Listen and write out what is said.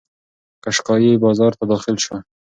قشقایي بازار ته داخل شو.